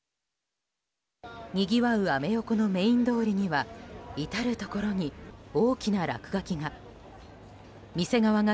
にぎわうアメ横のメイン通りには至るところに大きな落書きが。